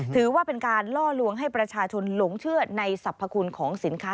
ถือว่าเป็นการล่อลวงให้ประชาชนหลงเชื่อในสรรพคุณของสินค้า